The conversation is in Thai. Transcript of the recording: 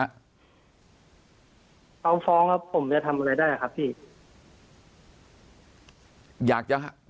เอาฟ้องแล้วผมจะทำอะไรได้ครับพี่